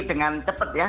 dengan cepet ya